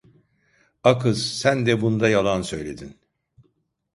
A kız sen de bunda yalan söyledin.